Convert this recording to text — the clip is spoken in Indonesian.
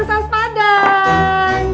kerang saus padang